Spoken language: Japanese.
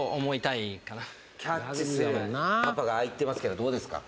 パパがああ言ってますけどどうですか？